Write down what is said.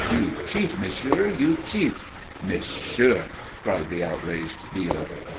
"You cheat, monsieur. You cheat!" "Monsieur!" cried the outraged dealer.